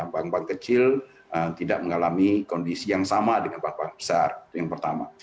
bank bank kecil tidak mengalami kondisi yang sama dengan bank bank besar itu yang pertama